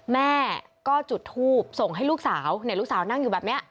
แม่ก็จุดทูบส่งให้ลูกสาวลูกสาวนั่งอยู่แบบนี้